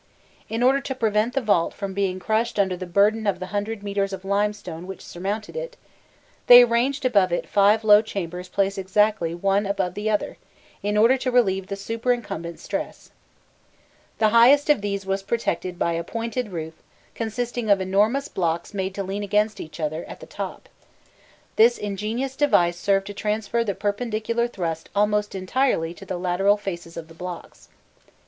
In order to prevent the vault from being crushed under the burden of the hundred metres of limestone which surmounted it, they arranged above it five low chambers placed exactly one above the other in order to relieve the superincumbent stress. The highest of these was protected by a pointed roof consisting of enormous blocks made to lean against each other at the top: this ingenious device served to transfer the perpendicular thrust almost entirely to the lateral faces of the blocks.